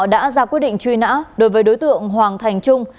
đã ra quyết định truy nã đối với đối tượng hoàng thành trung